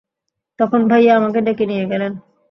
তখন ভাইয়া আমাকে ডেকে নিয়ে গেলেন।